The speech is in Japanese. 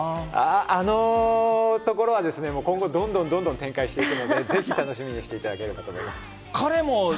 あのところはですね、もう今後どんどんどんどん展開していくので、ぜひ楽しみにしていただければと思います。